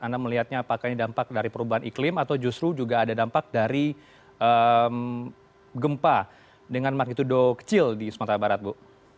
anda melihatnya apakah ini dampak dari perubahan iklim atau justru juga ada dampak dari gempa dengan magnitudo kecil di sumatera barat bu